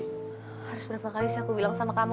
harus berapa kali sih aku bilang sama kamu